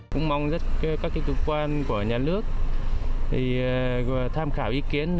cũng mong rất các cơ quan của nhà nước tham khảo ý kiến